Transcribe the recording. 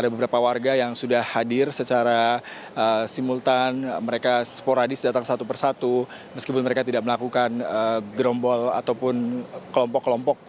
ada beberapa warga yang sudah hadir secara simultan mereka sporadis datang satu persatu meskipun mereka tidak melakukan gerombol ataupun kelompok kelompok